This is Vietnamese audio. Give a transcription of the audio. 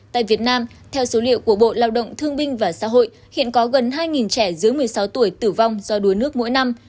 tại việt nam theo số liệu của bộ lao động thương binh và xã hội hiện có gần hai trẻ dưới một mươi sáu tuổi tử vong do đuối nước mỗi năm